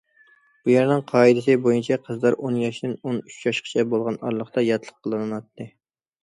بۇ يەرنىڭ قائىدىسى بويىچە قىزلار ئون ياشتىن ئون ئۈچ ياشقىچە بولغان ئارىلىقتا ياتلىق قىلىناتتى.